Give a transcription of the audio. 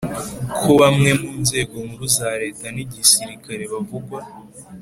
kobamwe mu nzego nkuru za leta n'igisirikare bavugwa